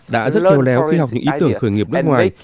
đã rất khéo léo khi học những ý tưởng khởi nghiệp nước ngoài